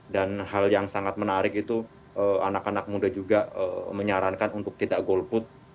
dan hal yang sangat menarik itu anak anak muda juga menyarankan untuk tidak golput